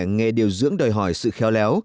nghề điều dưỡng đòi hỏi sự khéo léo